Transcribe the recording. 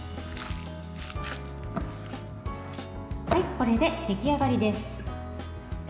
これで、出来上がりです。